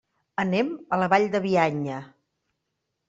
Anem a la Vall de Bianya.